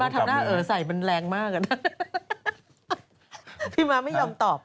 พี่บ้านทำหน้าเอ๋อใส่มันแรงมากอ่ะนะพี่บ้านทำหน้าเอ๋อใส่มันแรงมากอ่ะนะ